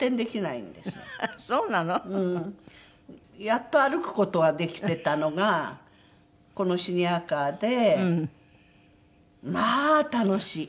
やっと歩く事はできてたのがこのシニアカーでまあ楽しい！